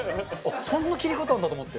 そんな切り方あるんだと思って。